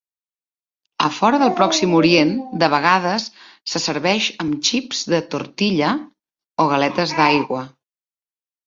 A fora del Pròxim Orient, de vegades se serveix amb xips de tortilla o galetes d'aigua.